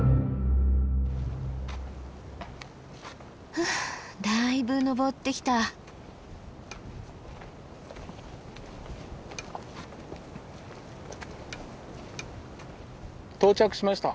ふうだいぶ登ってきた。到着しました。